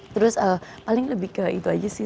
terus paling lebih ke itu aja sih